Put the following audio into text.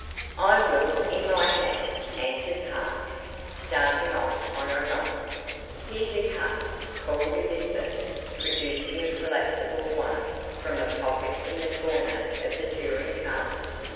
"I will in my hat!" answered Parks, starting off on a run. "Here's a cup," called Elizabeth, producing a collapsible one from a pocket in the tonneau of the touring car.